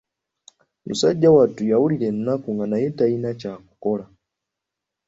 Musajja wattu yawulira ennaku nga naye talina kyakukola.